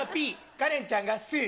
カレンちゃんがスー。